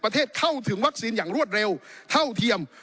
เข้าถึงวัคซีนอย่างรวดเร็วเท่าเทียม